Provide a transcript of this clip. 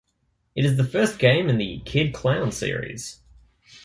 It is the first game in the "Kid Klown" series.